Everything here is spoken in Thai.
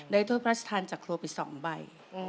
ถ้วยพระราชทานจากครัวไป๒ใบ